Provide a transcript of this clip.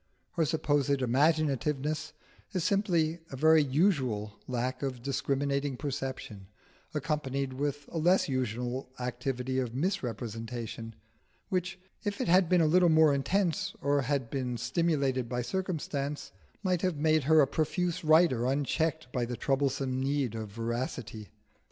Her supposed imaginativeness is simply a very usual lack of discriminating perception, accompanied with a less usual activity of misrepresentation, which, if it had been a little more intense, or had been stimulated by circumstance, might have made her a profuse writer unchecked by the troublesome need of veracity.